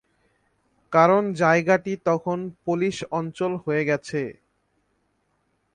কারণ জায়গাটি তখন পোলিশ অঞ্চল হয়ে গেছে।